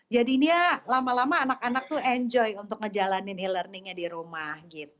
jadi ini ya lama lama anak anak tuh enjoy untuk ngejalanin e learningnya di rumah gitu